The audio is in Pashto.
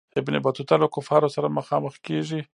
ابن بطوطه له کفارو سره مخامخ کیږي.